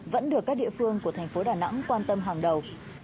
vẫn được các địa phương của thành phố đà nẵng quan tâm hàng đầu